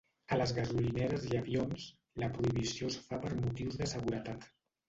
A les gasolineres i avions, la prohibició es fa per motius de seguretat.